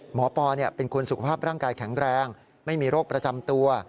ปอเป็นคนสุขภาพร่างกายแข็งแรงไม่มีโรคประจำตัว